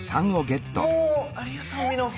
ありがとうみのん。